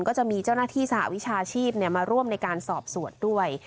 ก็จะมีเจ้าหน้าที่สหวิชาชีพมาร่วมในการสอบสวนด้วย